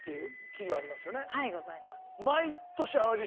はいございます。